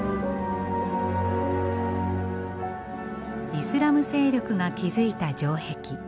イスラム勢力が築いた城壁。